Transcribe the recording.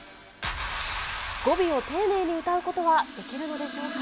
語尾を丁寧に歌うことはできるのでしょうか。